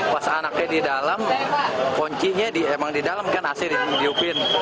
pas anaknya di dalam kuncinya emang di dalam kan asir yang diupin